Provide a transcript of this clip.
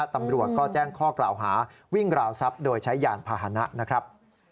ตำรวจก็แจ้งข้อกล่าวหาวิ่งราวทรัพย์โดยใช้ยานพาหนะนะครับ